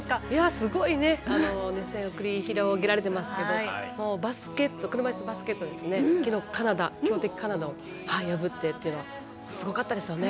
すごい熱戦が繰り広げられていますが車いすバスケット、昨日強敵カナダを破ってというのはすごかったですよね。